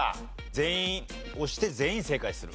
全員押して全員正解する。